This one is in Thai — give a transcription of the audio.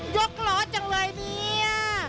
กล้อจังเลยเนี่ย